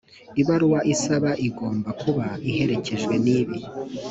ibaruwa isaba igomba kuba iherekejwe n ibi